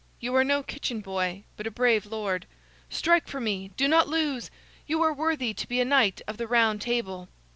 You are no kitchen boy, but a brave lord. Strike for me! Do not lose. You are worthy to be a Knight of the Round Table."